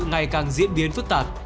ngày càng diễn biến phức tạp